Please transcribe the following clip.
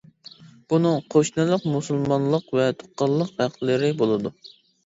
بۇنىڭ قوشنىلىق، مۇسۇلمانلىق ۋە تۇغقانلىق ھەقلىرى بولىدۇ.